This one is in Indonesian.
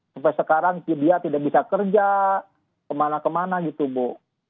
sampai sekarang dia tidak bisa kerja kemana kemana gitu bu